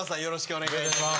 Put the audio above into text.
お願いします。